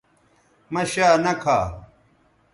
مہ شا نہ کھا